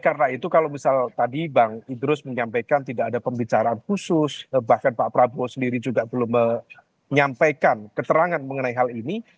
karena itu kalau misalnya tadi bang idrus menyampaikan tidak ada pembicaraan khusus bahkan pak prabowo sendiri juga belum menyampaikan keterangan mengenai hal ini